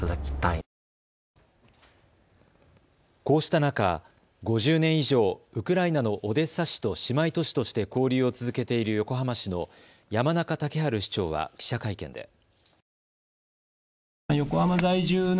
こうした中、５０年以上、ウクライナのオデッサ市と姉妹都市として交流を続けている横浜市の山中竹春市長は記者会見で。